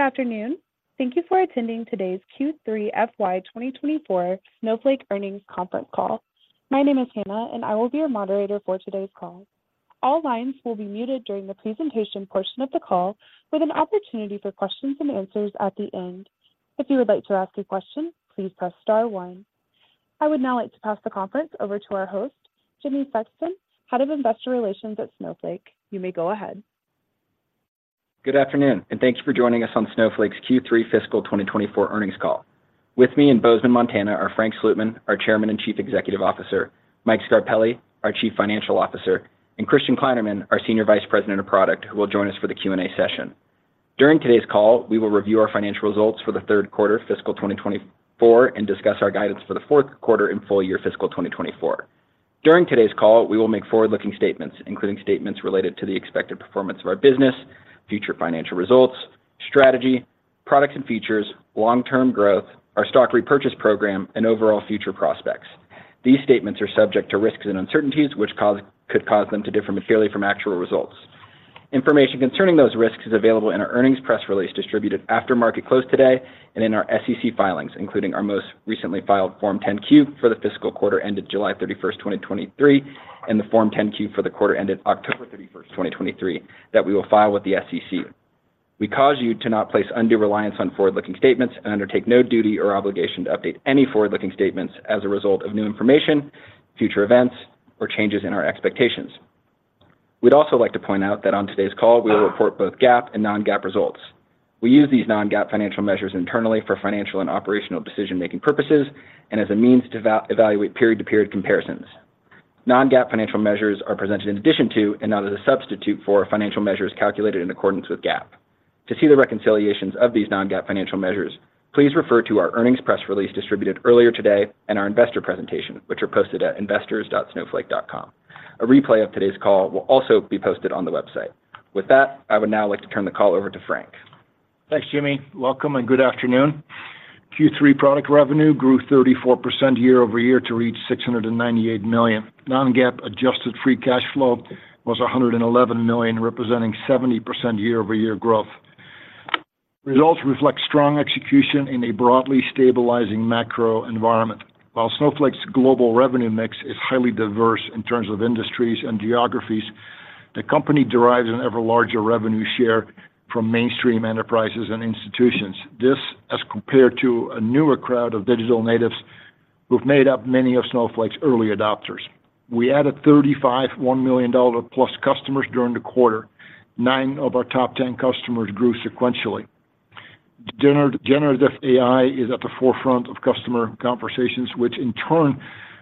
Good afternoon. Thank you for attending today's Q3 FY 2024 Snowflake Earnings Conference Call. My name is Hannah, and I will be your moderator for today's call. All lines will be muted during the presentation portion of the call, with an opportunity for questions and answers at the end. If you would like to ask a question, please press star one. I would now like to pass the conference over to our host, Jimmy Sexton, Head of Investor Relations at Snowflake. You may go ahead. Good afternoon, and thank you for joining us on Snowflake's Q3 fiscal 2024 earnings call. With me in Bozeman, Montana, are Frank Slootman, our Chairman and Chief Executive Officer, Mike Scarpelli, our Chief Financial Officer, and Christian Kleinerman, our Senior Vice President of Product, who will join us for the Q&A session. During today's call, we will review our financial results for the third quarter fiscal 2024, and discuss our guidance for the fourth quarter and full year fiscal 2024. During today's call, we will make forward-looking statements, including statements related to the expected performance of our business, future financial results, strategy, products and features, long-term growth, our stock repurchase program, and overall future prospects. These statements are subject to risks and uncertainties, which could cause them to differ materially from actual results. Information concerning those risks is available in our earnings press release, distributed after market close today, and in our SEC filings, including our most recently filed Form 10-Q for the fiscal quarter ended July 31, 2023, and the Form 10-Q for the quarter ended October 31, 2023, that we will file with the SEC. We caution you to not place undue reliance on forward-looking statements and undertake no duty or obligation to update any forward-looking statements as a result of new information, future events, or changes in our expectations. We'd also like to point out that on today's call, we will report both GAAP and non-GAAP results. We use these non-GAAP financial measures internally for financial and operational decision-making purposes, and as a means to evaluate period-to-period comparisons. Non-GAAP financial measures are presented in addition to, and not as a substitute for, financial measures calculated in accordance with GAAP. To see the reconciliations of these non-GAAP financial measures, please refer to our earnings press release distributed earlier today and our investor presentation, which are posted at investors.snowflake.com. A replay of today's call will also be posted on the website. With that, I would now like to turn the call over to Frank. Thanks, Jimmy. Welcome, and good afternoon. Q3 product revenue grew 34% year-over-year to reach $698 million. Non-GAAP adjusted free cash flow was $111 million, representing 70% year-over-year growth. Results reflect strong execution in a broadly stabilizing macro environment. While Snowflake's global revenue mix is highly diverse in terms of industries and geographies, the company derives an ever larger revenue share from mainstream enterprises and institutions. This, as compared to a newer crowd of digital natives who've made up many of Snowflake's early adopters. We added 35 $1 million-plus customers during the quarter. Nine of our top 10 customers grew sequentially. Generative AI is at the forefront of customer conversations, which in turn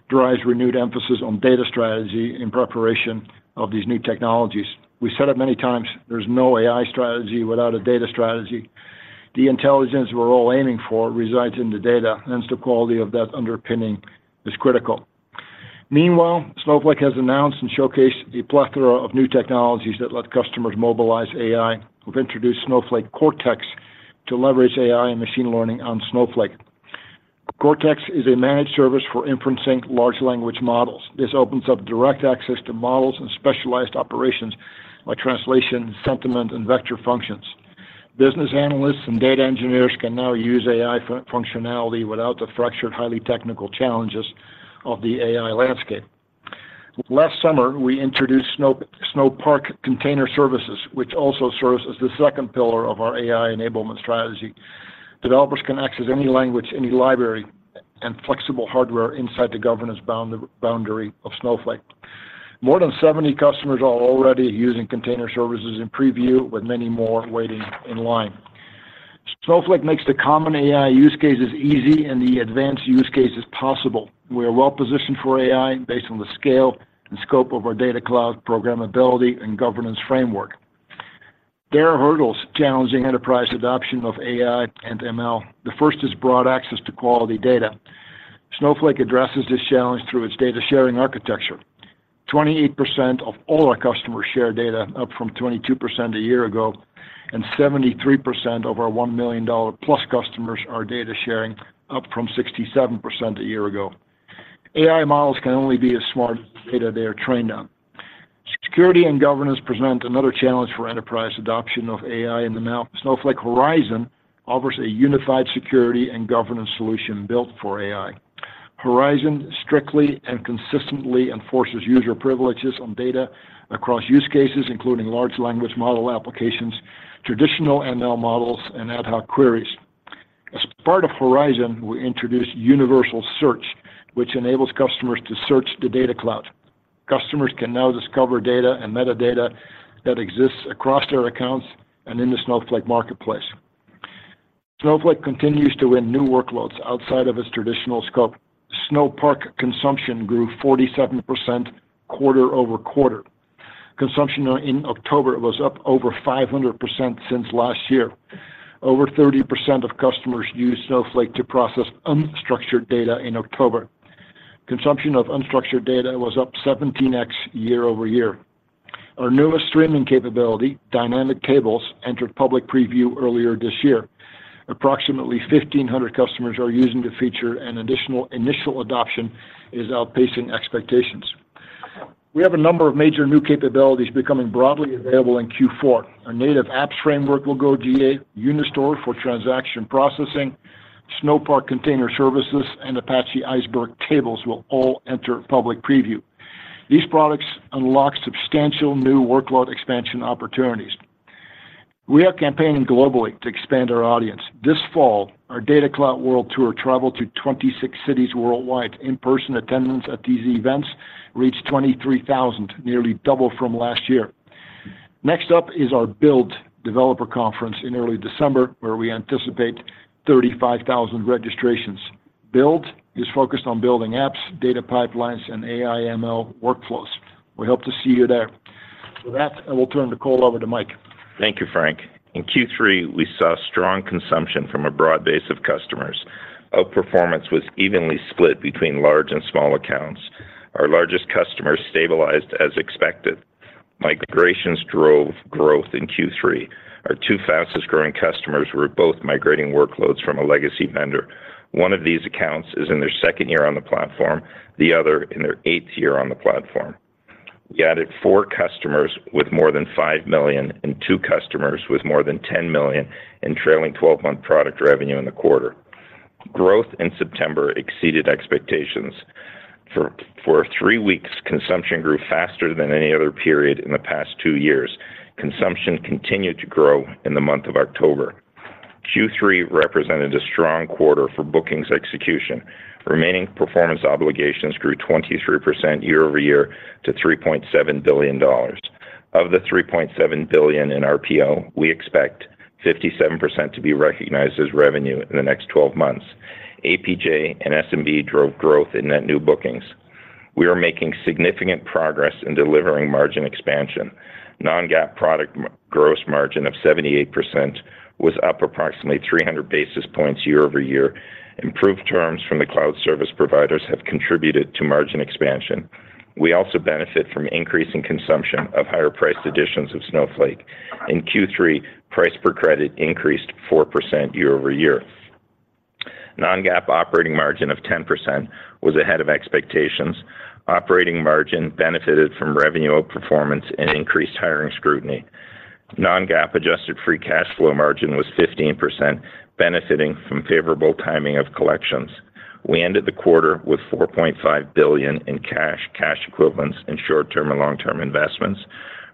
drives renewed emphasis on data strategy in preparation of these new technologies. We've said it many times. There's no AI strategy without a data strategy. The intelligence we're all aiming for resides in the data, hence the quality of that underpinning is critical. Meanwhile, Snowflake has announced and showcased a plethora of new technologies that let customers mobilize AI. We've introduced Snowflake Cortex to leverage AI and machine learning on Snowflake. Cortex is a managed service for inferencing large language models. This opens up direct access to models and specialized operations like translation, sentiment, and vector functions. Business analysts and data engineers can now use AI functionality without the fractured, highly technical challenges of the AI landscape. Last summer, we introduced Snowpark Container Services, which also serves as the second pillar of our AI enablement strategy. Developers can access any language, any library, and flexible hardware inside the governance boundary of Snowflake. More than 70 customers are already using Container Services in preview, with many more waiting in line. Snowflake makes the common AI use cases easy and the advanced use cases possible. We are well positioned for AI based on the scale and scope of our Data Cloud programmability and governance framework. There are hurdles challenging enterprise adoption of AI and ML. The first is broad access to quality data. Snowflake addresses this challenge through its data sharing architecture. 28% of all our customers share data, up from 22% a year ago, and 73% of our $1 million-plus customers are data sharing, up from 67% a year ago. AI models can only be as smart as the data they are trained on. Security and governance present another challenge for enterprise adoption of AI and ML. Snowflake Horizon offers a unified security and governance solution built for AI. Horizon strictly and consistently enforces user privileges on data across use cases, including large language model applications, traditional ML models, and ad hoc queries. As part of Snowflake Horizon, we introduced Universal Search, which enables customers to search the Data Cloud. Customers can now discover data and metadata that exists across their accounts and in the Snowflake Marketplace. Snowflake continues to win new workloads outside of its traditional scope. Snowpark consumption grew 47% quarter-over-quarter. Consumption in October was up over 500% since last year. Over 30% of customers used Snowflake to process unstructured data in October. Consumption of unstructured data was up 17x year-over-year. Our newest streaming capability, Dynamic Tables, entered public preview earlier this year. Approximately 1,500 customers are using the feature, and additional initial adoption is outpacing expectations. We have a number of major new capabilities becoming broadly available in Q4. Our Native App Framework will go GA, Unistore for transaction processing, Snowpark Container Services, and Apache Iceberg Tables will all enter public preview. These products unlock substantial new workload expansion opportunities. We are campaigning globally to expand our audience. This fall, our Data Cloud World Tour traveled to 26 cities worldwide. In-person attendance at these events reached 23,000, nearly double from last year. Next up is our Build Developer Conference in early December, where we anticipate 35,000 registrations. Build is focused on building apps, data pipelines, and AI ML workflows. We hope to see you there. With that, I will turn the call over to Mike. Thank you, Frank. In Q3, we saw strong consumption from a broad base of customers. Outperformance was evenly split between large and small accounts. Our largest customers stabilized as expected. Migrations drove growth in Q3. Our two fastest-growing customers were both migrating workloads from a legacy vendor. One of these accounts is in their second year on the platform, the other in their eighth year on the platform. We added four customers with more than $5 million and two customers with more than $10 million in trailing twelve-month product revenue in the quarter. Growth in September exceeded expectations. For three weeks, consumption grew faster than any other period in the past two years. Consumption continued to grow in the month of October. Q3 represented a strong quarter for bookings execution. Remaining performance obligations grew 23% year-over-year to $3.7 billion. Of the $3.7 billion in RPO, we expect 57% to be recognized as revenue in the next 12 months. APJ and SMB drove growth in net new bookings. We are making significant progress in delivering margin expansion. Non-GAAP product gross margin of 78% was up approximately 300 basis points year-over-year. Improved terms from the cloud service providers have contributed to margin expansion. We also benefit from increasing consumption of higher-priced editions of Snowflake. In Q3, price per credit increased 4% year-over-year. Non-GAAP operating margin of 10% was ahead of expectations. Operating margin benefited from revenue outperformance and increased hiring scrutiny. Non-GAAP adjusted free cash flow margin was 15%, benefiting from favorable timing of collections. We ended the quarter with $4.5 billion in cash, cash equivalents, and short-term and long-term investments.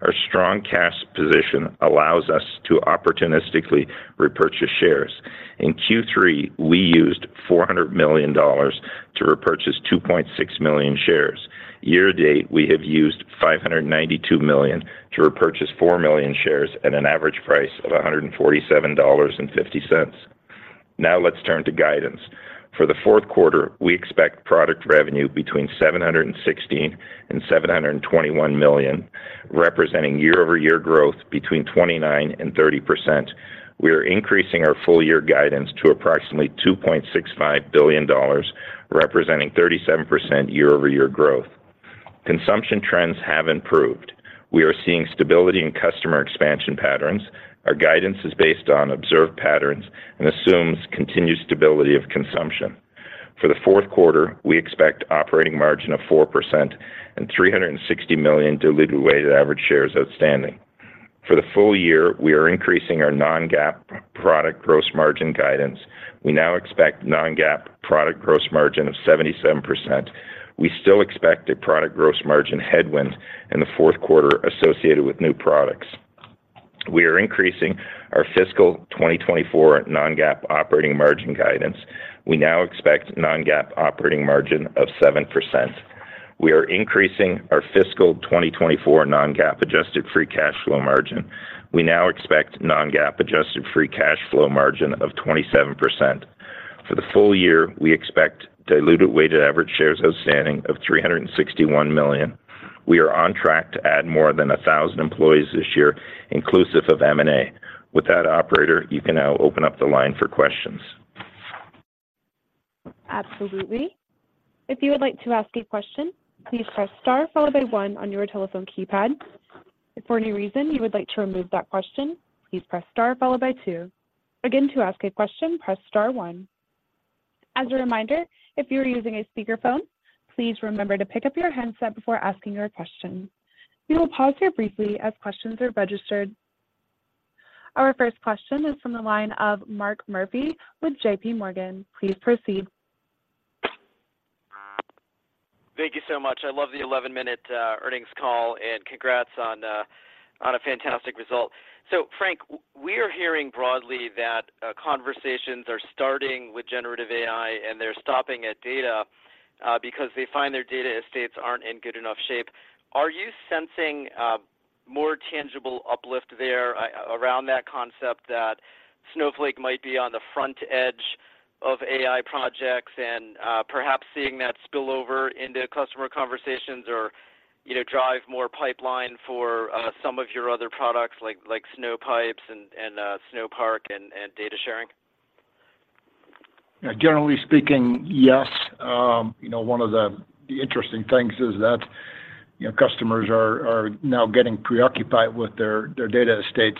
Our strong cash position allows us to opportunistically repurchase shares. In Q3, we used $400 million to repurchase 2.6 million shares. Year to date, we have used $592 million to repurchase 4 million shares at an average price of $147.50. Now, let's turn to guidance. For the fourth quarter, we expect product revenue between $716 million and $721 million, representing year-over-year growth between 29% and 30%. We are increasing our full year guidance to approximately $2.65 billion, representing 37% year-over-year growth. Consumption trends have improved. We are seeing stability in customer expansion patterns. Our guidance is based on observed patterns and assumes continued stability of consumption. For the fourth quarter, we expect operating margin of 4% and 360 million diluted weighted average shares outstanding. For the full year, we are increasing our non-GAAP product gross margin guidance. We now expect non-GAAP product gross margin of 77%. We still expect a product gross margin headwind in the fourth quarter associated with new products. We are increasing our fiscal 2024 non-GAAP operating margin guidance. We now expect non-GAAP operating margin of 7%. We are increasing our fiscal 2024 non-GAAP adjusted free cash flow margin. We now expect non-GAAP adjusted free cash flow margin of 27%. For the full year, we expect diluted weighted average shares outstanding of 361 million. We are on track to add more than 1,000 employees this year, inclusive of M&A. With that, operator, you can now open up the line for questions. Absolutely. If you would like to ask a question, please press star followed by one on your telephone keypad. If for any reason you would like to remove that question, please press star followed by two. Again, to ask a question, press star one. As a reminder, if you are using a speakerphone, please remember to pick up your handset before asking your question. We will pause here briefly as questions are registered. Our first question is from the line of Mark Murphy with J.P. Morgan. Please proceed. Thank you so much. I love the 11-minute earnings call, and congrats on a fantastic result. So, Frank, we are hearing broadly that conversations are starting with generative AI, and they're stopping at data because they find their data estates aren't in good enough shape. Are you sensing more tangible uplift there around that concept that Snowflake might be on the front edge of AI projects and perhaps seeing that spill over into customer conversations or, you know, drive more pipeline for some of your other products like Snowpipes and Snowpark and data sharing? Yeah, generally speaking, yes. You know, one of the interesting things is that, you know, customers are now getting preoccupied with their data estates,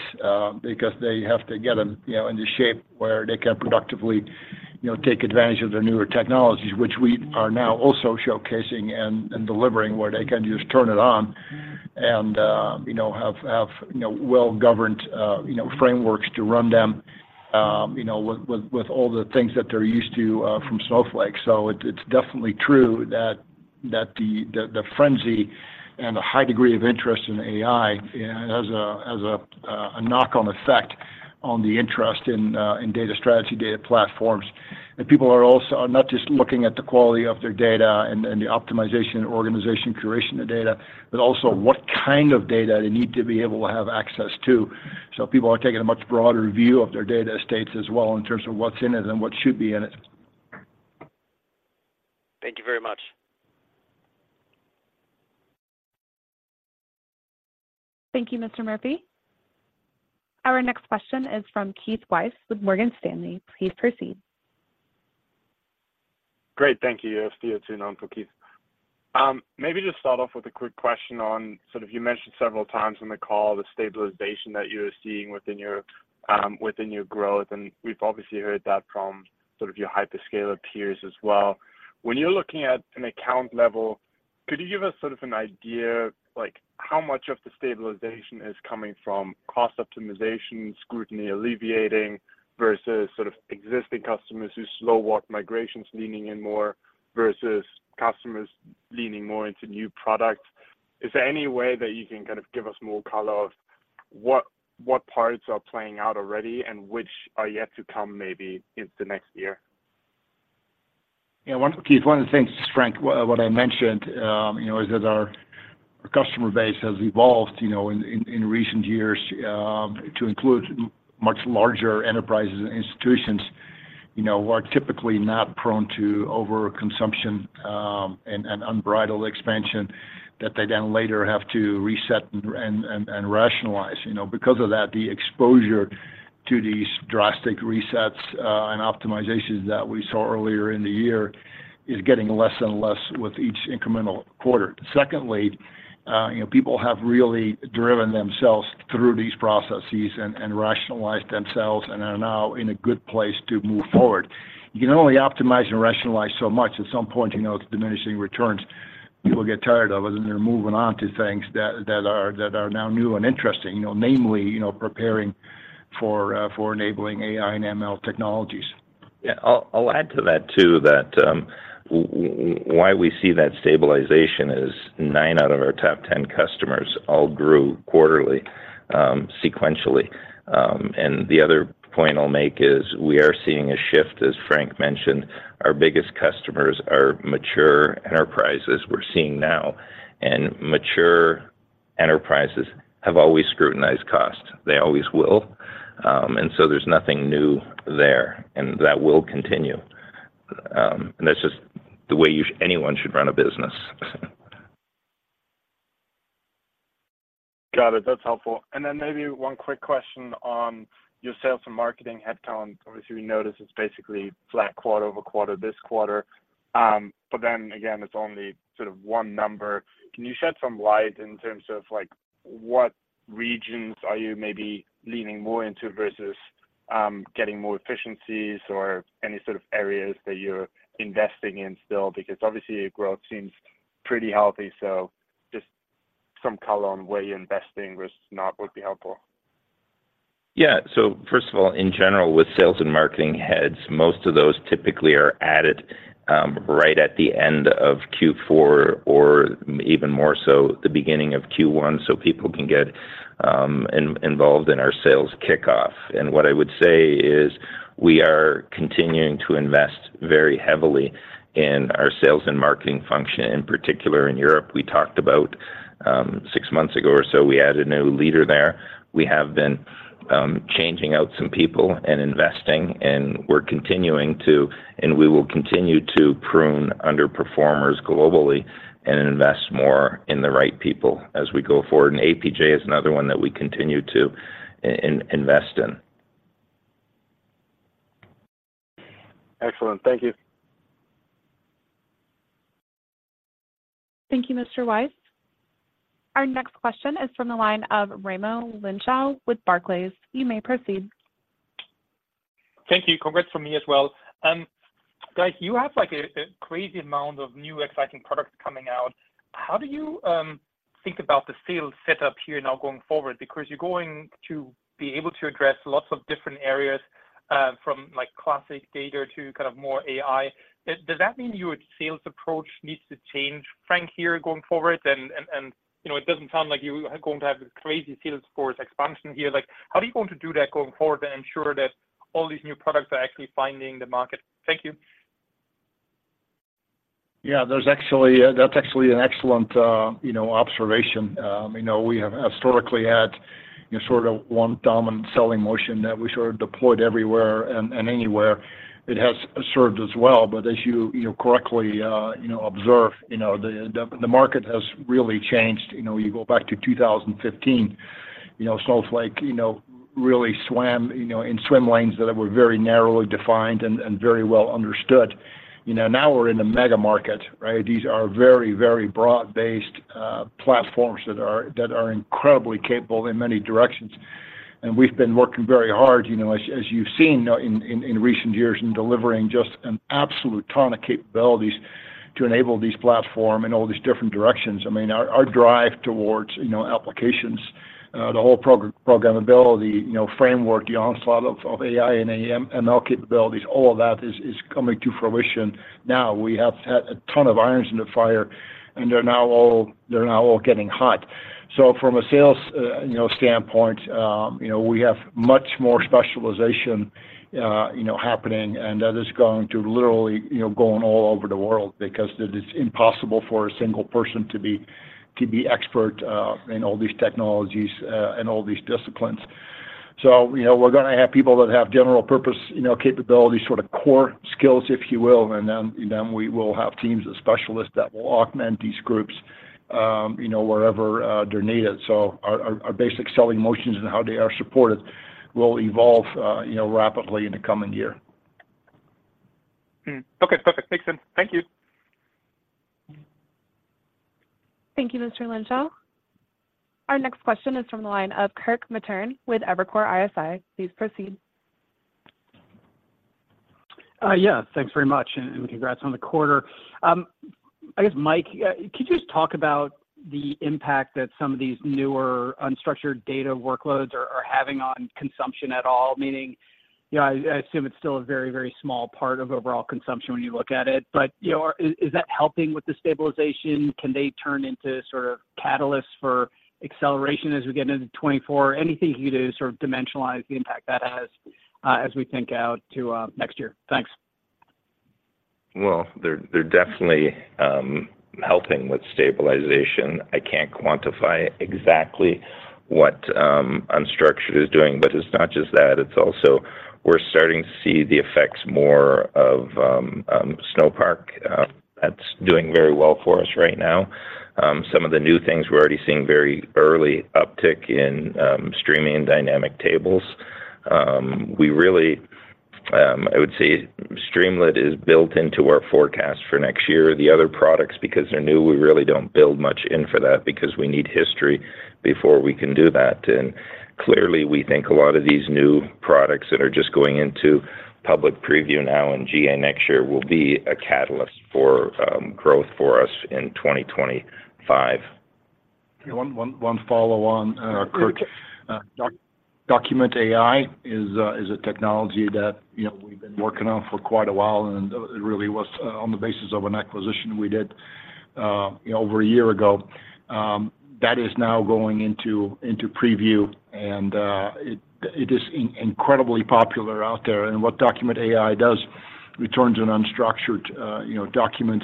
because they have to get them, you know, into shape where they can productively, you know, take advantage of the newer technologies, which we are now also showcasing and delivering, where they can just turn it on—and, you know, have well-governed frameworks to run them, you know, with all the things that they're used to from Snowflake. So it's definitely true that the frenzy and the high degree of interest in AI has a knock-on effect on the interest in data strategy, data platforms. People are also not just looking at the quality of their data and the optimization, organization, curation of data, but also what kind of data they need to be able to have access to. People are taking a much broader view of their data estates as well, in terms of what's in it and what should be in it. Thank you very much. Thank you, Mr. Murphy. Our next question is from Keith Weiss with Morgan Stanley. Please proceed. Great, thank you. It's Theo Thun on for Keith. Maybe just start off with a quick question on, sort of you mentioned several times on the call the stabilization that you're seeing within your within your growth, and we've obviously heard that from sort of your hyperscaler peers as well. When you're looking at an account level, could you give us sort of an idea, like, how much of the stabilization is coming from cost optimization, scrutiny alleviating, versus sort of existing customers whose slow walk migration's leaning in more, versus customers leaning more into new products? Is there any way that you can kind of give us more color of what, what parts are playing out already and which are yet to come, maybe into next year? Yeah. One of the things, Keith, Frank, what I mentioned, you know, is that our customer base has evolved, you know, in recent years, to include much larger enterprises and institutions, you know, who are typically not prone to overconsumption, and unbridled expansion, that they then later have to reset and rationalize. You know, because of that, the exposure to these drastic resets and optimizations that we saw earlier in the year is getting less and less with each incremental quarter. Secondly, you know, people have really driven themselves through these processes and rationalized themselves, and are now in a good place to move forward. You can only optimize and rationalize so much. At some point, you know, it's diminishing returns. People get tired of it, and they're moving on to things that are now new and interesting, you know, namely, you know, preparing for enabling AI and ML technologies. Yeah. I'll add to that, too, that why we see that stabilization is nine out of our top 10 customers all grew quarterly, sequentially. And the other point I'll make is we are seeing a shift, as Frank mentioned, our biggest customers are mature enterprises we're seeing now, and mature enterprises have always scrutinized cost. They always will. And so there's nothing new there, and that will continue. And that's just the way you, anyone should run a business. Got it. That's helpful. And then maybe one quick question on your sales and marketing headcount. Obviously, we noticed it's basically flat quarter over quarter this quarter, but then again, it's only sort of one number. Can you shed some light in terms of, like, what regions are you maybe leaning more into versus, getting more efficiencies, or any sort of areas that you're investing in still? Because obviously, your growth seems pretty healthy, so just some color on where you're investing versus not would be helpful. Yeah. So first of all, in general, with sales and marketing heads, most of those typically are added right at the end of Q4, or even more so, the beginning of Q1, so people can get involved in our sales kickoff. And what I would say is, we are continuing to invest very heavily in our sales and marketing function, in particular in Europe. We talked about six months ago or so, we added a new leader there. We have been changing out some people and investing, and we're continuing to, and we will continue to prune underperformers globally and invest more in the right people as we go forward. And APJ is another one that we continue to invest in. Excellent. Thank you. Thank you, Mr. Weiss. Our next question is from the line of Raimo Lenschow with Barclays. You may proceed. Thank you. Congrats from me as well. Guys, you have, like, a crazy amount of new exciting products coming out. How do you think about the sales setup here now going forward? Because you're going to be able to address lots of different areas, from, like, classic data to kind of more AI. Does that mean your sales approach needs to change, Frank, here going forward? And, you know, it doesn't sound like you are going to have a crazy sales force expansion here. Like, how are you going to do that going forward to ensure that all these new products are actually finding the market? Thank you. Yeah, there's actually, that's actually an excellent, you know, observation. You know, we have historically had sort of one dominant selling motion that we sort of deployed everywhere and anywhere. It has served us well, but as you correctly, you know, observe, you know, the market has really changed. You know, you go back to 2015, you know, Snowflake, you know, really swam, you know, in swim lanes that were very narrowly defined and very well understood. You know, now we're in the mega market, right? These are very broad-based platforms that are incredibly capable in many directions. And we've been working very hard, you know, as you've seen now in recent years, in delivering just an absolute ton of capabilities to enable these platform in all these different directions. I mean, our drive towards, you know, applications, the whole programmability, you know, framework, the onslaught of AI and ML capabilities, all of that is coming to fruition now. We have had a ton of irons in the fire, and they're now all getting hot. So from a sales, you know, standpoint, you know, we have much more specialization, you know, happening, and that is going to literally, you know, going all over the world because it is impossible for a single person to be expert in all these technologies and all these disciplines. So, you know, we're gonna have people that have general purpose, you know, capabilities, sort of core skills, if you will, and then we will have teams of specialists that will augment these groups, you know, wherever they're needed. So our basic selling motions and how they are supported will evolve, you know, rapidly in the coming year. Hmm. Okay, perfect. Makes sense. Thank you. Thank you, Mr. Lenschow. Our next question is from the line of Kirk Materne with Evercore ISI. Please proceed. Yeah, thanks very much, and, and congrats on the quarter. I guess, Mike, could you just talk about the impact that some of these newer unstructured data workloads are having on consumption at all? Meaning, you know, I assume it's still a very, very small part of overall consumption when you look at it. But, you know, is that helping with the stabilization? Can they turn into sort of catalysts for acceleration as we get into 2024? Anything you do to sort of dimensionalize the impact that has, as we think out to next year? Thanks. Well, they're definitely helping with stabilization. I can't quantify exactly what unstructured is doing, but it's not just that, it's also we're starting to see the effects more of Snowpark. That's doing very well for us right now. Some of the new things, we're already seeing very early uptick in streaming and Dynamic Tables. We really, I would say Streamlit is built into our forecast for next year. The other products, because they're new, we really don't build much in for that because we need history before we can do that. And clearly, we think a lot of these new products that are just going into public preview now and GA next year will be a catalyst for growth for us in 2025. One follow on, Kirk. Okay. Document AI is a technology that, you know, we've been working on for quite a while, and it really was on the basis of an acquisition we did, you know, over a year ago. That is now going into preview, and it is incredibly popular out there. And what Document AI does, returns an unstructured, you know, document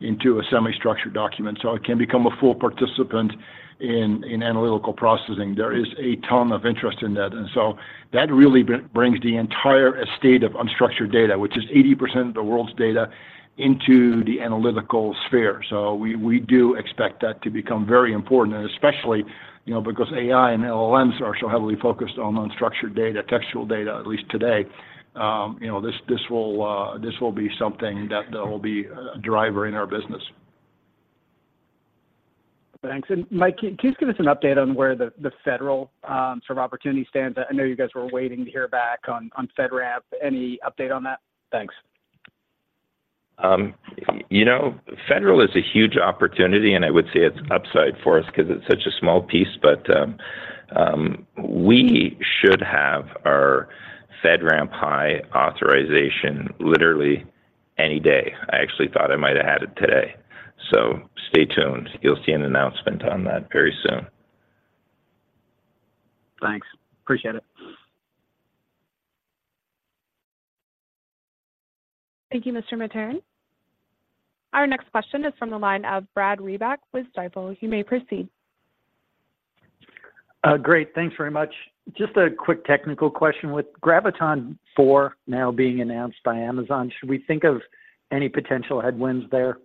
into a semi-structured document, so it can become a full participant in analytical processing. There is a ton of interest in that, and so that really brings the entire estate of unstructured data, which is 80% of the world's data, into the analytical sphere. So we do expect that to become very important, and especially, you know, because AI and LLMs are so heavily focused on unstructured data, textual data, at least today, you know, this will be something that will be a driver in our business. Thanks. And Mike, can you give us an update on where the federal sort of opportunity stands? I know you guys were waiting to hear back on FedRAMP. Any update on that? Thanks. You know, federal is a huge opportunity, and I would say it's upside for us 'cause it's such a small piece. But, we should have our FedRAMP High authorization literally any day. I actually thought I might have had it today. So stay tuned. You'll see an announcement on that very soon. Thanks. Appreciate it. Thank you, Mr. Materne. Our next question is from the line of Brad Reback with Stifel. You may proceed. Great. Thanks very much. Just a quick technical question: With Graviton4 now being announced by Amazon, should we think of any potential headwinds there?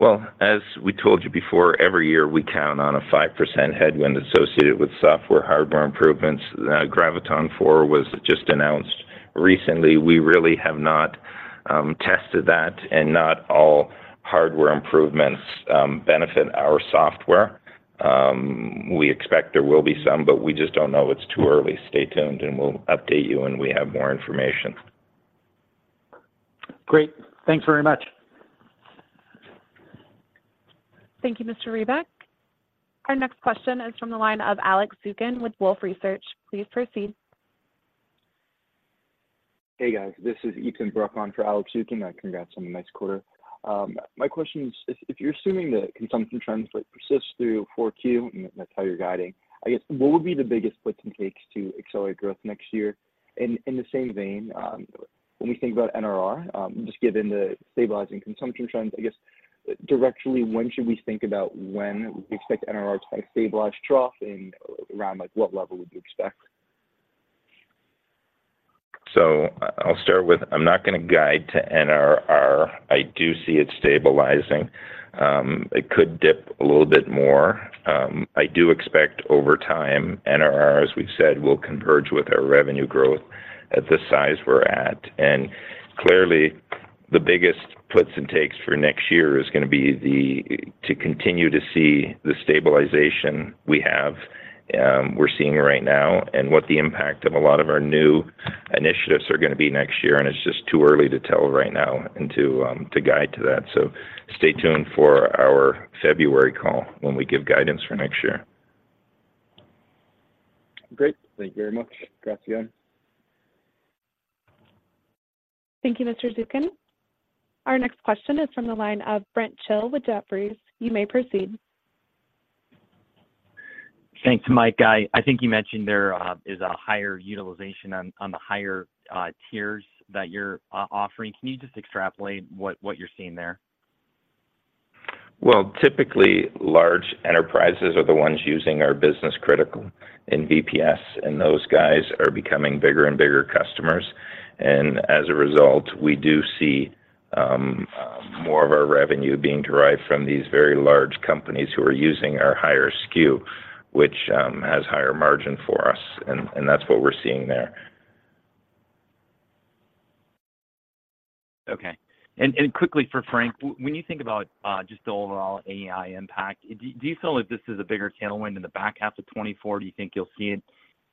Well, as we told you before, every year, we count on a 5% headwind associated with software, hardware improvements. Graviton4 was just announced recently. We really have not tested that, and not all hardware improvements benefit our software. We expect there will be some, but we just don't know. It's too early. Stay tuned, and we'll update you when we have more information. Great. Thanks very much. Thank you, Mr. Reback. Our next question is from the line of Alex Zukin with Wolfe Research. Please proceed. Hey, guys, this is Ethan Bruck on for Alex Zukin. Congrats on a nice quarter. My question is, if, if you're assuming that consumption trends, like, persist through Q4, and that's how you're guiding, I guess, what would be the biggest flips and takes to accelerate growth next year? And in the same vein, when we think about NRR, just given the stabilizing consumption trends, I guess, directionally, when should we think about when we expect NRR to kind of stabilize, trough, and around, like, what level would you expect? So I'll start with, I'm not gonna guide to NRR. I do see it stabilizing. It could dip a little bit more. I do expect over time, NRR, as we've said, will converge with our revenue growth at the size we're at. And clearly, the biggest puts and takes for next year is going to be the, to continue to see the stabilization we have, we're seeing right now, and what the impact of a lot of our new initiatives are going to be next year, and it's just too early to tell right now, and to, to guide to that. So stay tuned for our February call when we give guidance for next year. Great. Thank you very much. Grazie. Thank you, Mr. Zukin. Our next question is from the line of Brent Thill with Jefferies. You may proceed. Thanks, Mike. I think you mentioned there is a higher utilization on the higher tiers that you're offering. Can you just extrapolate what you're seeing there? Well, typically, large enterprises are the ones using our Business Critical and VPS, and those guys are becoming bigger and bigger customers. And as a result, we do see, more of our revenue being derived from these very large companies who are using our higher SKU, which, has higher margin for us. And, and that's what we're seeing there. Okay. And quickly for Frank, when you think about just the overall AI impact, do you feel like this is a bigger tailwind in the back half of 2024? Do you think you'll see it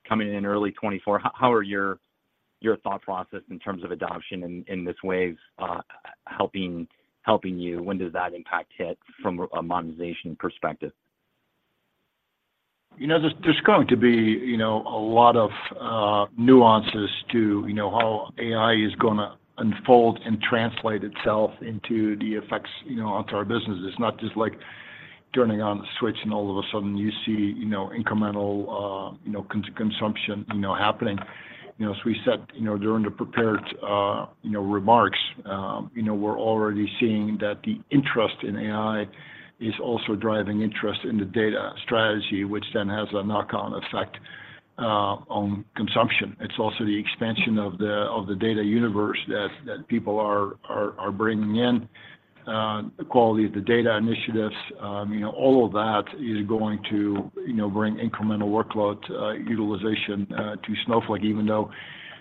coming in early 2024? How are your thought process in terms of adoption in this wave helping you? When does that impact hit from a monetization perspective? You know, there's going to be, you know, a lot of nuances to, you know, how AI is going to unfold and translate itself into the effects, you know, onto our businesses. It's not just like turning on the switch, and all of a sudden you see, you know, incremental consumption, you know, happening. You know, as we said, you know, during the prepared remarks, you know, we're already seeing that the interest in AI is also driving interest in the data strategy, which then has a knock-on effect on consumption. It's also the expansion of the data universe that people are bringing in the quality of the data initiatives. You know, all of that is going to, you know, bring incremental workload, utilization, to Snowflake, even though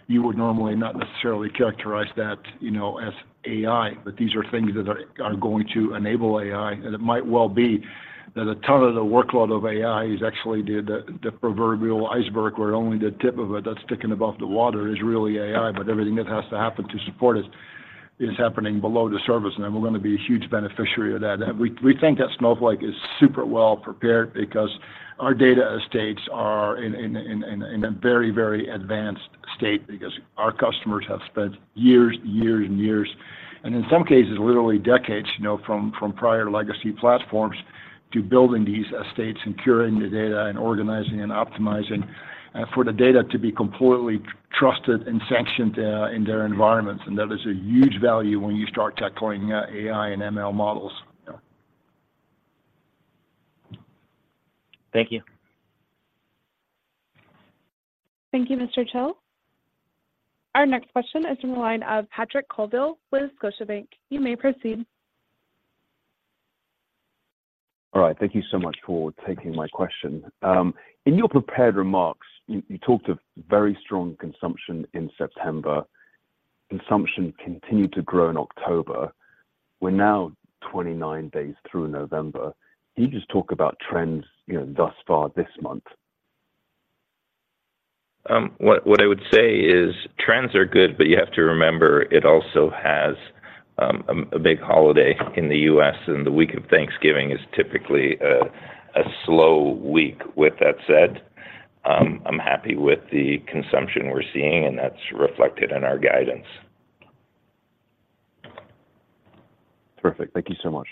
you would normally not necessarily characterize that, you know, as AI. But these are things that are going to enable AI, and it might well be that a ton of the workload of AI is actually the proverbial iceberg, where only the tip of it that's sticking above the water is really AI, but everything that has to happen to support it is happening below the surface. And we're going to be a huge beneficiary of that. And we think that Snowflake is super well prepared because our data estates are in a very, very advanced state. Because our customers have spent years, years and years, and in some cases, literally decades, you know, from prior legacy platforms to building these estates and curating the data and organizing and optimizing for the data to be completely trusted and sanctioned in their environments. That is a huge value when you start tackling AI and ML models. Thank you. Thank you, Mr. Thill. Our next question is from the line of Patrick Colville with Scotiabank. You may proceed. All right. Thank you so much for taking my question. In your prepared remarks, you talked of very strong consumption in September. Consumption continued to grow in October. We're now 29 days through November. Can you just talk about trends, you know, thus far this month? What I would say is trends are good, but you have to remember it also has a big holiday in the US, and the week of Thanksgiving is typically a slow week. With that said, I'm happy with the consumption we're seeing, and that's reflected in our guidance. Perfect. Thank you so much.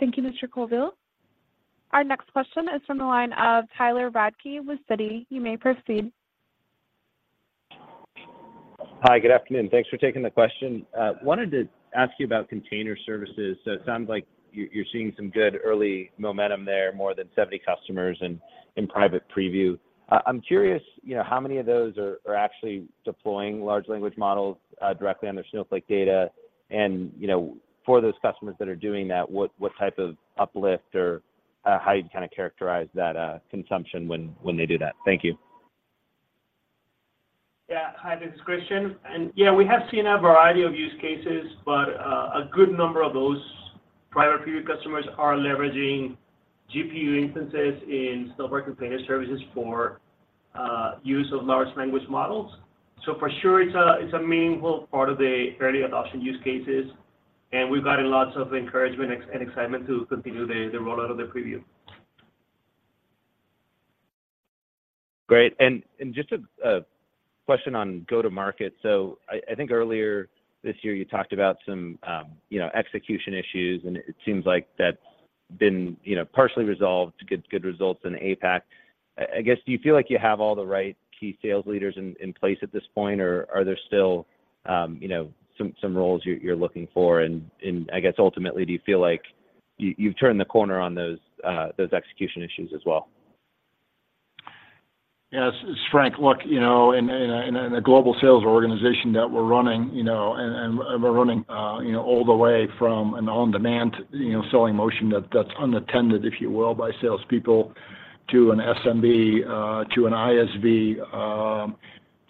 Thank you, Mr. Colville. Our next question is from the line of Tyler Radke with Citi. You may proceed. Hi, good afternoon. Thanks for taking the question. Wanted to ask you about container services. So it sounds like you're seeing some good early momentum there, more than 70 customers and in private preview. I'm curious, you know, how many of those are actually deploying large language models directly on their Snowflake data? And, you know, for those customers that are doing that, what type of uplift or how you'd kind of characterize that consumption when they do that? Thank you. Yeah. Hi, this is Christian. And, yeah, we have seen a variety of use cases, but a good number of those private preview customers are leveraging GPU instances in Snowflake Container Services for use of large language models. So for sure, it's a meaningful part of the early adoption use cases, and we've gotten lots of encouragement and excitement to continue the rollout of the preview. Great. Just a question on go-to-market. So I think earlier this year, you talked about some, you know, execution issues, and it seems like that's been, you know, partially resolved, good results in APAC. I guess, do you feel like you have all the right key sales leaders in place at this point, or are there still, you know, some roles you're looking for? And I guess ultimately, do you feel like you've turned the corner on those execution issues as well? Yes, it's Frank. Look, you know, in a global sales organization that we're running, you know, and we're running, you know, all the way from an on-demand, you know, selling motion that's unattended, if you will, by salespeople to an SMB, to an ISV,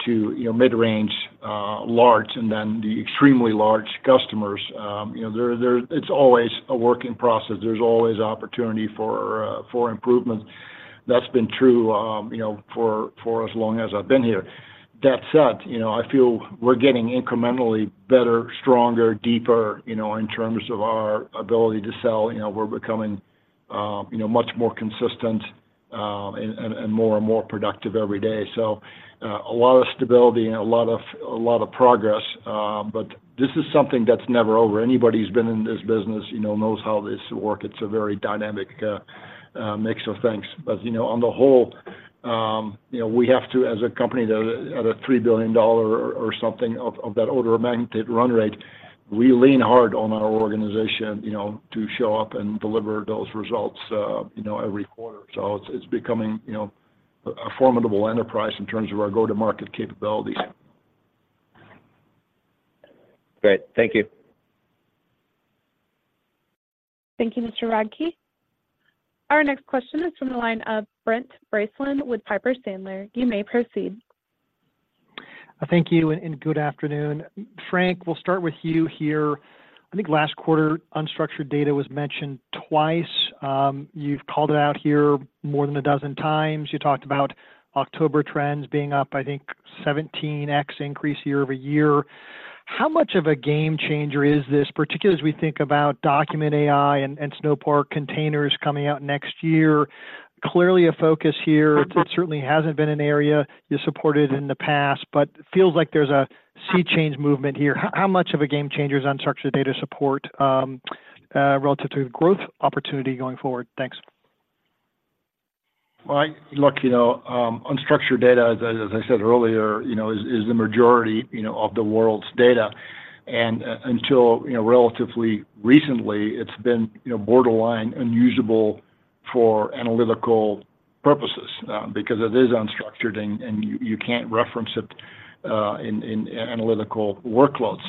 to, you know, mid-range, large, and then the extremely large customers. You know, it's always a working process. There's always opportunity for improvement. That's been true, you know, for as long as I've been here. That said, you know, I feel we're getting incrementally better, stronger, deeper, you know, in terms of our ability to sell. You know, we're becoming, you know, much more consistent, and more and more productive every day. So, a lot of stability and a lot of progress, but this is something that's never over. Anybody who's been in this business, you know, knows how this work. It's a very dynamic, mix of things. But, you know, on the whole, you know, we have to, as a company that at a $3 billion or something of that order of magnitude run rate, we lean hard on our organization, you know, to show up and deliver those results, you know, every quarter. So it's, it's becoming, you know, a formidable enterprise in terms of our go-to-market capabilities. Great. Thank you. Thank you, Mr. Radke. Our next question is from the line of Brent Bracelin with Piper Sandler. You may proceed. Thank you, and good afternoon. Frank, we'll start with you here. I think last quarter, unstructured data was mentioned twice. You've called it out here more than a dozen times. You talked about October trends being up, I think, 17x increase year-over-year. How much of a game changer is this, particularly as we think about Document AI and Snowpark containers coming out next year? Clearly a focus here. It certainly hasn't been an area you supported in the past, but it feels like there's a sea change movement here. How much of a game changer is unstructured data support relative to growth opportunity going forward? Thanks. Well, look, you know, unstructured data, as I said earlier, you know, is the majority, you know, of the world's data. And until, you know, relatively recently, it's been, you know, borderline unusable for analytical purposes, because it is unstructured, and you can't reference it, in analytical workloads.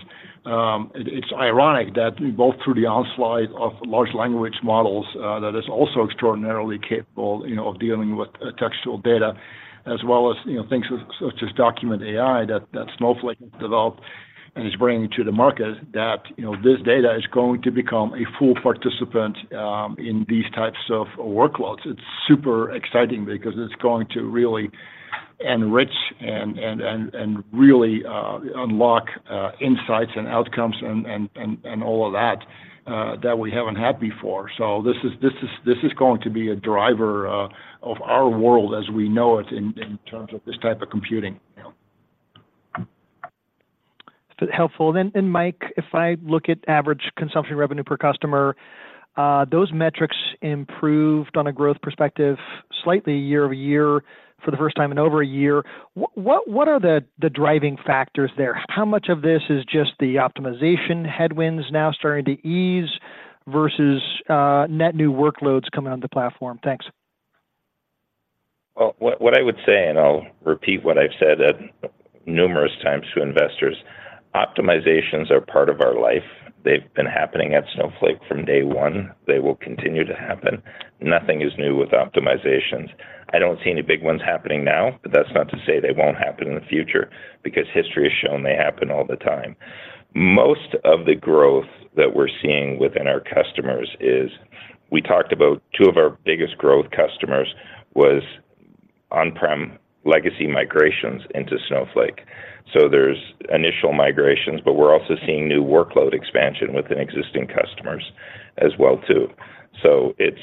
It's ironic that both through the onslaught of large language models, that is also extraordinarily capable, you know, of dealing with textual data, as well as, you know, things such as Document AI, that Snowflake has developed and is bringing to the market, that, you know, this data is going to become a full participant, in these types of workloads. It's super exciting because it's going to really enrich and really unlock insights and outcomes and all of that that we haven't had before. So this is going to be a driver of our world as we know it in terms of this type of computing, you know? Helpful. Then, and Mike, if I look at average consumption revenue per customer, those metrics improved on a growth perspective, slightly year-over-year for the first time in over a year. What are the driving factors there? How much of this is just the optimization headwinds now starting to ease versus net new workloads coming on the platform? Thanks. Well, what, what I would say, and I'll repeat what I've said at numerous times to investors, optimizations are part of our life. They've been happening at Snowflake from day one. They will continue to happen. Nothing is new with optimizations. I don't see any big ones happening now, but that's not to say they won't happen in the future, because history has shown they happen all the time. Most of the growth that we're seeing within our customers is, we talked about two of our biggest growth customers was on-prem legacy migrations into Snowflake. So there's initial migrations, but we're also seeing new workload expansion within existing customers as well, too. So it's.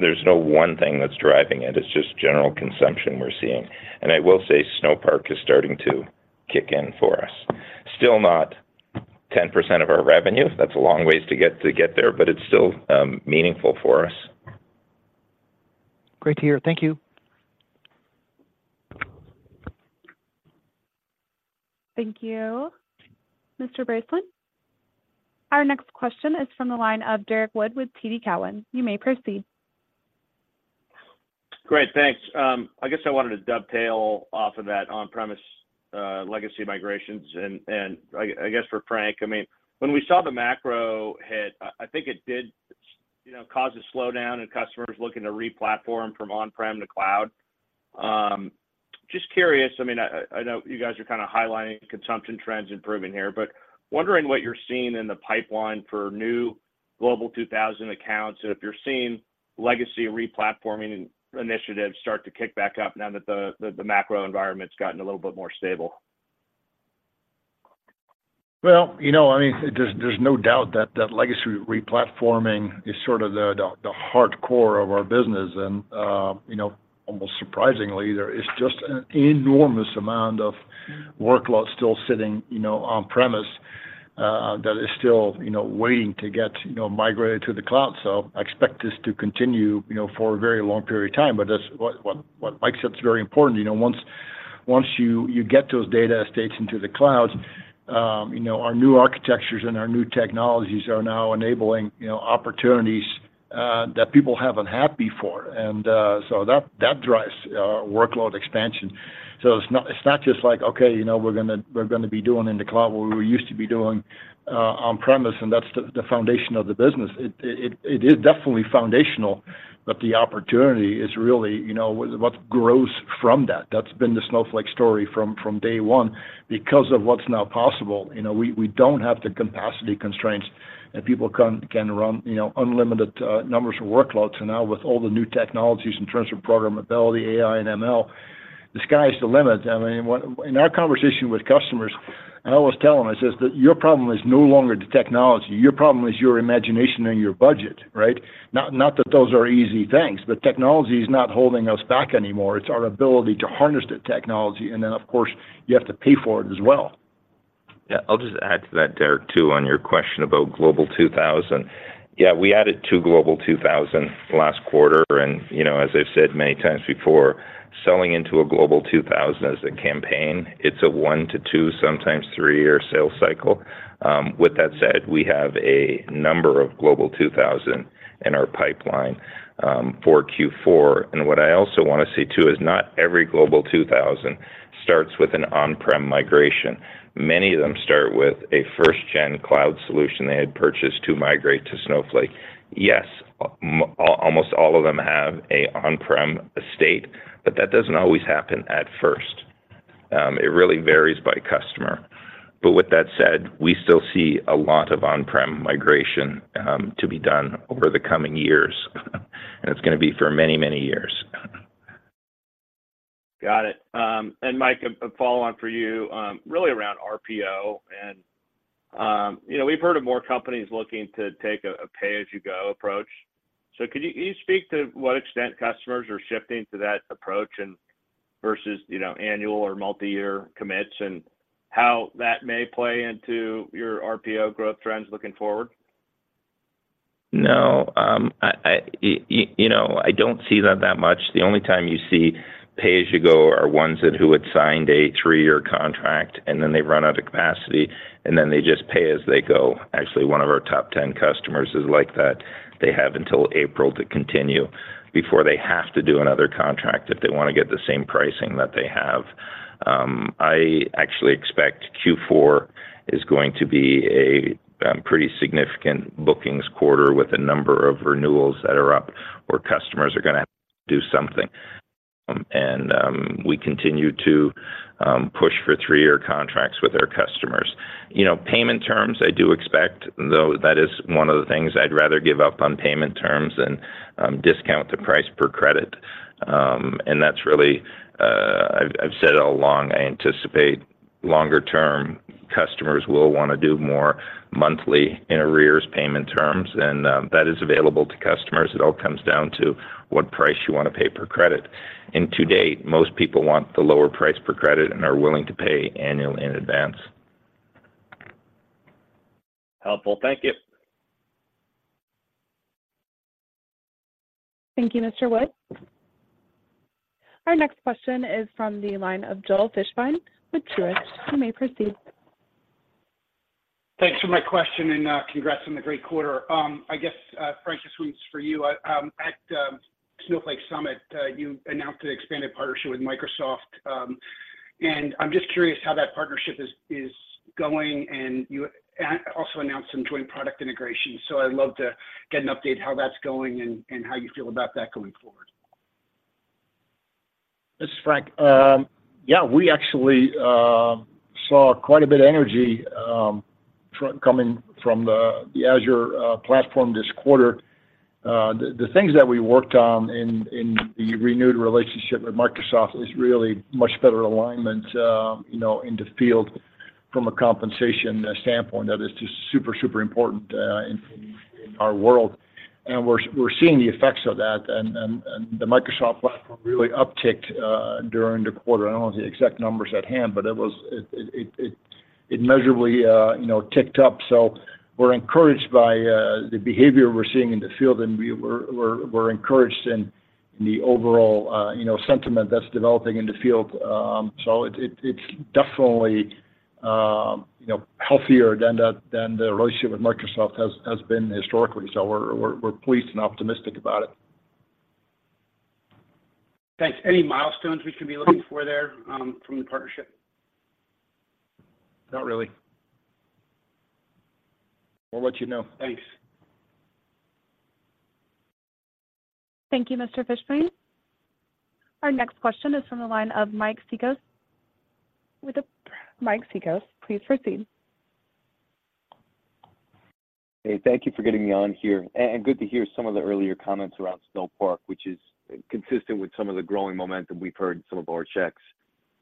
There's no one thing that's driving it. It's just general consumption we're seeing. And I will say Snowpark is starting to kick in for us. Still not 10% of our revenue. That's a long ways to get, to get there, but it's still, meaningful for us. Great to hear. Thank you. Thank you, Mr. Bracelin. Our next question is from the line of Derrick Wood with TD Cowen. You may proceed. Great, thanks. I guess I wanted to dovetail off of that on-premise legacy migrations, and I guess for Frank. I mean, when we saw the macro hit, I think it did, you know, cause a slowdown in customers looking to replatform from on-prem to cloud. Just curious, I mean, I know you guys are kinda highlighting consumption trends improving here, but wondering what you're seeing in the pipeline for new Global 2000 accounts, and if you're seeing legacy replatforming initiatives start to kick back up now that the macro environment's gotten a little bit more stable. Well, you know, I mean, there's no doubt that the legacy replatforming is sort of the hardcore of our business. And, you know, almost surprisingly, there is just an enormous amount of workload still sitting, you know, on-premise, that is still, you know, waiting to get, you know, migrated to the cloud. So I expect this to continue, you know, for a very long period of time. But that's what Mike said is very important. You know, once you get those data estates into the cloud, you know, our new architectures and our new technologies are now enabling, you know, opportunities that people haven't had before. And, so that drives workload expansion. So it's not, it's not just like, okay, you know, we're gonna be doing in the cloud what we used to be doing on premise, and that's the foundation of the business. It is definitely foundational, but the opportunity is really, you know, what grows from that. That's been the Snowflake story from day one. Because of what's now possible, you know, we don't have the capacity constraints, and people can run, you know, unlimited numbers of workloads. So now with all the new technologies in terms of programmability, AI, and ML, the sky's the limit. I mean, what in our conversation with customers, and I always tell them, I says that, "Your problem is no longer the technology. Your problem is your imagination and your budget," right? Not, not that those are easy things, but technology is not holding us back anymore. It's our ability to harness the technology, and then, of course, you have to pay for it as well. Yeah, I'll just add to that, Derrick, too, on your question about Global 2000. Yeah, we added two Global 2000 last quarter, and, you know, as I've said many times before, selling into a Global 2000 as a campaign, it's a 1-2, sometimes 3-year sales cycle. With that said, we have a number of Global 2000 in our pipeline for Q4. And what I also wanna say, too, is not every Global 2000 starts with an on-prem migration. Many of them start with a first-gen cloud solution they had purchased to migrate to Snowflake. Yes, almost all of them have an on-prem estate, but that doesn't always happen at first. It really varies by customer. But with that said, we still see a lot of on-prem migration to be done over the coming years, and it's gonna be for many, many years. Got it. And Mike, a follow-on for you, really around RPO. And, you know, we've heard of more companies looking to take a pay-as-you-go approach. So can you speak to what extent customers are shifting to that approach and versus, you know, annual or multiyear commits, and how that may play into your RPO growth trends looking forward? No, you know, I don't see that that much. The only time you see pay as you go are ones that who had signed a three-year contract, and then they run out of capacity, and then they just pay as you go. Actually, one of our top 10 customers is like that. They have until April to continue before they have to do another contract if they wanna get the same pricing that they have. I actually expect Q4 is going to be a pretty significant bookings quarter, with a number of renewals that are up, where customers are gonna have to do something. And we continue to push for three-year contracts with our customers. You know, payment terms, I do expect, though, that is one of the things I'd rather give up on payment terms than discount the price per credit. And that's really, I've said it all along, I anticipate longer-term customers will wanna do more monthly in arrears payment terms, and that is available to customers. It all comes down to what price you wanna pay per credit. And to date, most people want the lower price per credit and are willing to pay annually in advance. Helpful. Thank you. Thank you, Mr. Wood. Our next question is from the line of Joel Fishbein with Truist. You may proceed. Thanks for my question, and, congrats on the great quarter. I guess, Frank, this one's for you. At Snowflake Summit, you announced an expanded partnership with Microsoft, and I'm just curious how that partnership is going. And you also announced some joint product integration, so I'd love to get an update how that's going and how you feel about that going forward. This is Frank. Yeah, we actually saw quite a bit of energy coming from the Azure platform this quarter. The things that we worked on in the renewed relationship with Microsoft is really much better alignment, you know, in the field from a compensation standpoint. That is just super, super important in our world, and we're seeing the effects of that. The Microsoft platform really upticked during the quarter. I don't have the exact numbers at hand, but it immeasurably, you know, ticked up. We're encouraged by the behavior we're seeing in the field, and we're encouraged in the overall sentiment that's developing in the field. So it's definitely, you know, healthier than the relationship with Microsoft has been historically. So we're pleased and optimistic about it. Thanks. Any milestones we should be looking for there, from the partnership? Not really. We'll let you know. Thanks. Thank you, Mr. Fishbein. Our next question is from the line of Mike Cikos. Mike Cikos, please proceed. Hey, thank you for getting me on here, and good to hear some of the earlier comments around Snowpark, which is consistent with some of the growing momentum we've heard in some of our checks.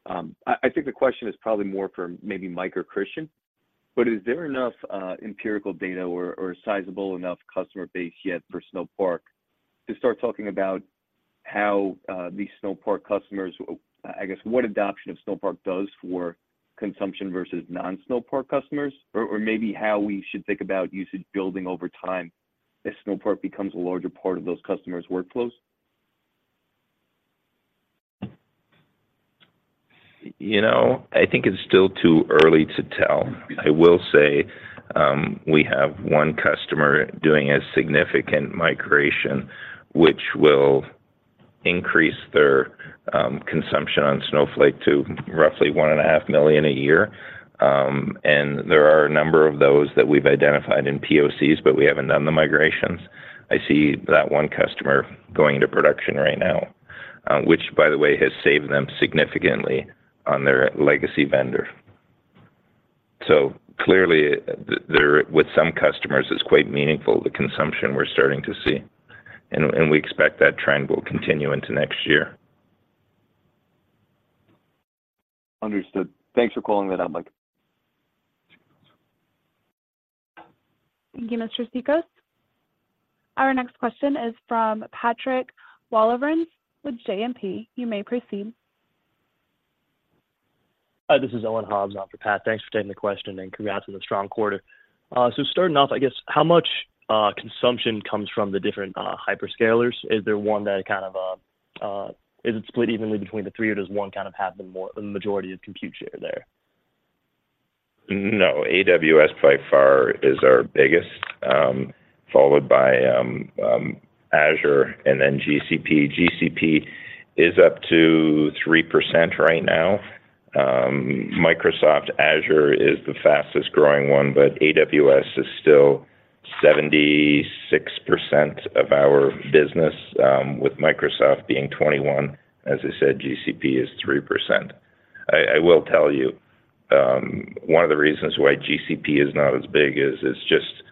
I think the question is probably more for maybe Mike or Christian, but is there enough empirical data or sizable enough customer base yet for Snowpark to start talking about how these Snowpark customers, I guess, what adoption of Snowpark does for consumption versus non-Snowpark customers? Or maybe how we should think about usage building over time as Snowpark becomes a larger part of those customers' workflows. You know, I think it's still too early to tell. I will say, we have one customer doing a significant migration, which will increase their consumption on Snowflake to roughly $1.5 million a year. And there are a number of those that we've identified in POCs, but we haven't done the migrations. I see that one customer going into production right now, which, by the way, has saved them significantly on their legacy vendor. So clearly, there, with some customers, it's quite meaningful, the consumption we're starting to see. And we expect that trend will continue into next year. Understood. Thanks for calling that out, Mike. Thank you, Mr. Sexton. Our next question is from Patrick Walravens with JMP. You may proceed. Hi, this is Owen Hobbs in for Pat. Thanks for taking the question, and congrats on the strong quarter. So starting off, I guess, how much consumption comes from the different hyperscalers? Is there one that kind of is it split evenly between the three, or does one kind of have the more, the majority of compute share there? No. AWS, by far, is our biggest, followed by Azure and then GCP. GCP is up to 3% right now. Microsoft Azure is the fastest-growing one, but AWS is still 76% of our business, with Microsoft being 21%. As I said, GCP is 3%. I will tell you one of the reasons why GCP is not as big is it's just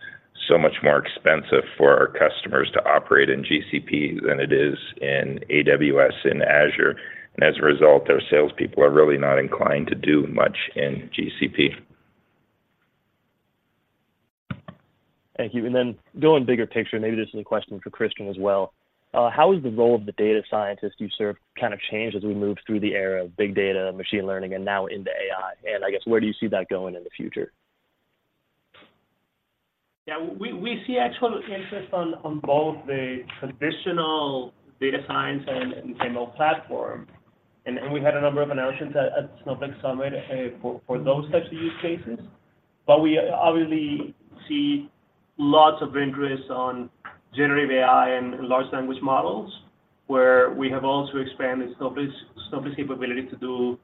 so much more expensive for our customers to operate in GCP than it is in AWS and Azure, and as a result, our salespeople are really not inclined to do much in GCP. Thank you. And then going bigger picture, maybe this is a question for Christian as well. How has the role of the data scientist you serve kind of changed as we moved through the era of big data, machine learning, and now into AI? And I guess, where do you see that going in the future? Yeah, we see actual interest on both the traditional data science and ML platform. And we had a number of announcements at Snowflake Summit for those types of use cases. But we obviously see lots of interest on generative AI and large language models, where we have also expanded Snowflake's capability to do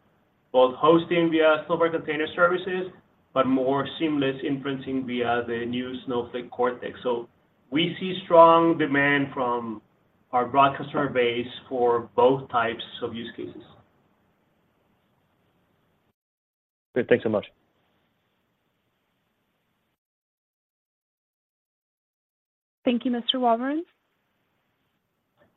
both hosting via Snowpark Container Services, but more seamless inferencing via the new Snowflake Cortex. So we see strong demand from our broad customer base for both types of use cases. Great. Thanks so much. Thank you, Mr. Walravens.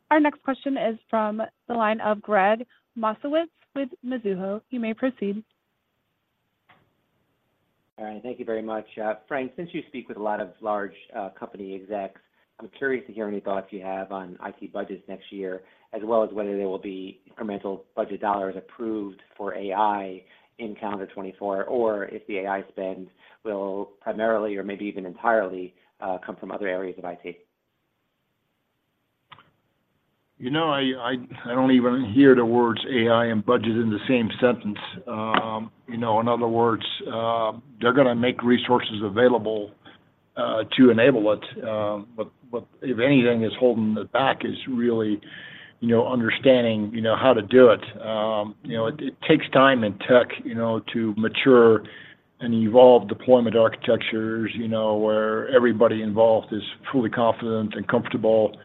Our next question is from the line of Gregg Moskowitz with Mizuho. You may proceed. All right. Thank you very much. Frank, since you speak with a lot of large company execs, I'm curious to hear any thoughts you have on IT budgets next year, as well as whether there will be incremental budget dollars approved for AI in calendar 2024, or if the AI spend will primarily, or maybe even entirely, come from other areas of IT? You know, I don't even hear the words "AI" and "budget" in the same sentence. You know, in other words, they're gonna make resources available to enable it, but if anything is holding it back, it's really, you know, understanding, you know, how to do it. You know, it takes time in tech, you know, to mature and evolve deployment architectures, you know, where everybody involved is fully confident and comfortable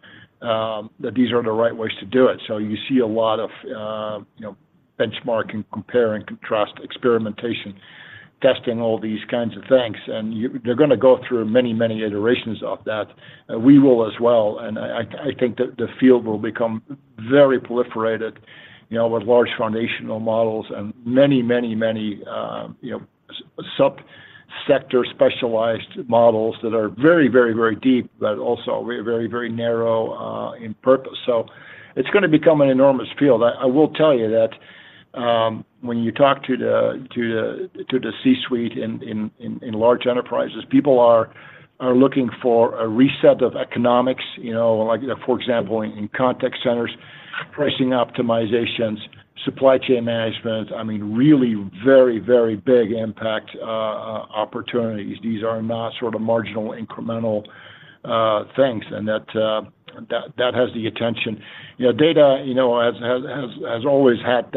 that these are the right ways to do it. So you see a lot of, you know, benchmark and compare and contrast, experimentation, testing, all these kinds of things. And you—they're gonna go through many, many iterations of that. We will as well, and I think the field will become very proliferated, you know, with large foundational models and many, many, many, you know, sub-sector specialized models that are very, very, very deep, but also very, very narrow in purpose. So it's gonna become an enormous field. I will tell you that, when you talk to the C-suite in large enterprises, people are looking for a reset of economics, you know, like, for example, in contact centers, pricing optimizations, supply chain management. I mean, really very, very big impact opportunities. These are not sort of marginal, incremental things, and that has the attention. You know, data, you know, has always had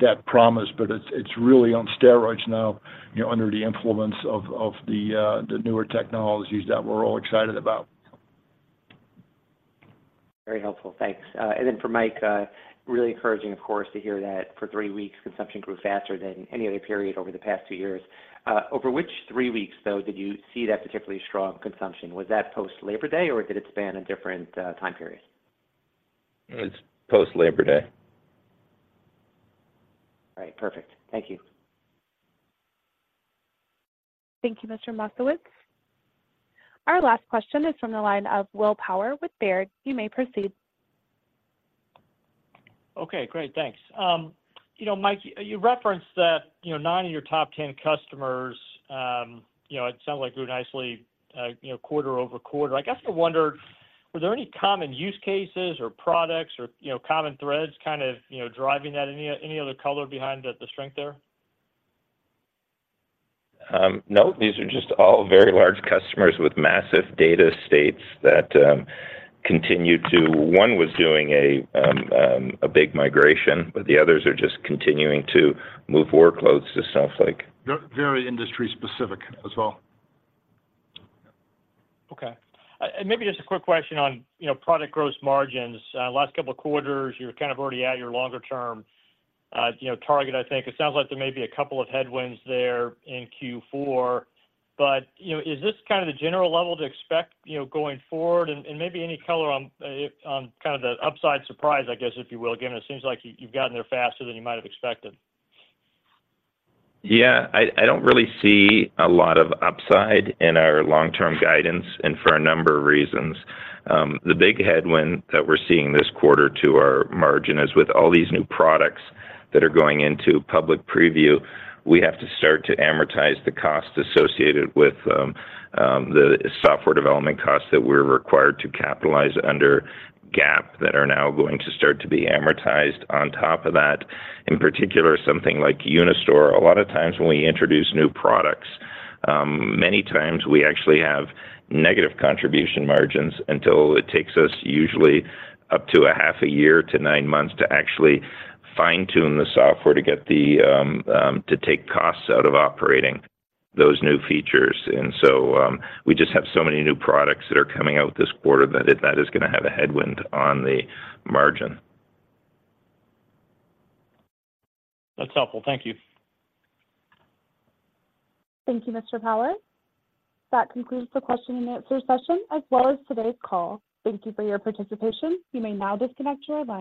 that promise, but it's really on steroids now, you know, under the influence of the newer technologies that we're all excited about. Very helpful. Thanks. And then for Mike, really encouraging, of course, to hear that for three weeks, consumption grew faster than any other period over the past two years. Over which three weeks, though, did you see that particularly strong consumption? Was that post-Labor Day, or did it span a different time period? It's post-Labor Day. All right. Perfect. Thank you. Thank you, Mr. Moskowitz. Our last question is from the line of Will Power with Baird. You may proceed. Okay, great. Thanks. You know, Mike, you referenced that, you know, nine of your top ten customers, you know, it sounded like, grew nicely, quarter-over-quarter. I guess I wondered, were there any common use cases or products or, you know, common threads, kind of, you know, driving that? Any other color behind the strength there? No, these are just all very large customers with massive data estates that continue to—one was doing a big migration, but the others are just continuing to move workloads to Snowflake. Very industry-specific as well. Okay. And maybe just a quick question on, you know, product gross margins. Last couple of quarters, you're kind of already at your longer-term, you know, target, I think. It sounds like there may be a couple of headwinds there in Q4, but, you know, is this kind of the general level to expect, you know, going forward? And maybe any color on, on kind of the upside surprise, I guess, if you will. Again, it seems like you, you've gotten there faster than you might have expected. Yeah. I don't really see a lot of upside in our long-term guidance, and for a number of reasons. The big headwind that we're seeing this quarter to our margin is with all these new products that are going into public preview, we have to start to amortize the costs associated with the software development costs that we're required to capitalize under GAAP, that are now going to start to be amortized on top of that. In particular, something like Unistore. A lot of times when we introduce new products, many times we actually have negative contribution margins until it takes us usually up to a half a year to 9 months to actually fine-tune the software to get the to take costs out of operating those new features. And so, we just have so many new products that are coming out this quarter that, that is gonna have a headwind on the margin. That's helpful. Thank you. Thank you, Mr. Power. That concludes the question and answer session, as well as today's call. Thank you for your participation. You may now disconnect your line.